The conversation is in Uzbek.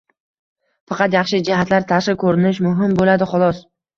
Faqat yaxshi jihatlar, tashqi ko`rinish muhim bo`ladi, xolos